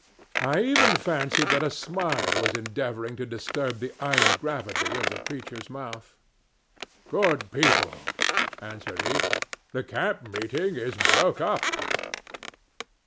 I even fancied that a smile was endeavoring to disturb the iron gravity of the preacher's mouth. "Good people," answered he, "the camp meeting is broke up."